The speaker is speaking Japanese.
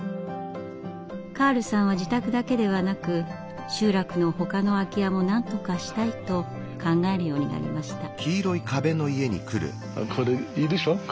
カールさんは自宅だけではなく集落のほかの空き家もなんとかしたいと考えるようになりました。